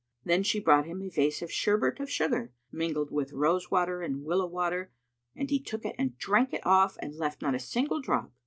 Then she brought him a vase of sherbet of sugar, mingled with rosewater and willow water, and he took it and drank it off and left not a single drop.